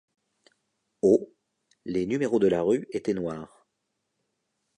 Au les numéros de la rue étaient noirs.